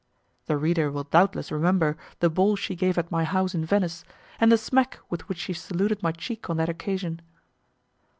The reader will doubtless remember the ball she gave at my house in Venice, and the smack with which she saluted my cheek on that occasion.